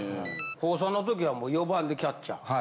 高３の時はもう４番でキャッチャー。